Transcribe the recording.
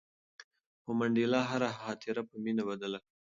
خو منډېلا هره خاطره په مینه بدله کړه.